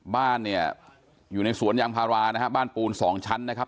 บ้านเนี่ยอยู่ในสวนยางพารานะฮะบ้านปูนสองชั้นนะครับ